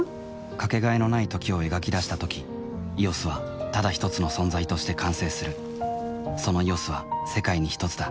かけがえのない「時」を描き出したとき「ＥＯＳ」はただひとつの存在として完成するその「ＥＯＳ」は世界にひとつだ